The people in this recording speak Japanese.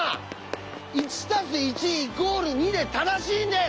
「１＋１＝２」で正しいんです！